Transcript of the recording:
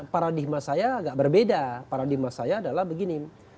paradigma saya agak berbeda paradigma saya adalah begini